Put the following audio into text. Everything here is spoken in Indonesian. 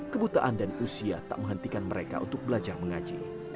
kebutaan dan usia tak menghentikan mereka untuk belajar mengaji